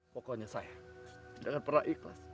pokoknya saya tidak akan pernah ikhlas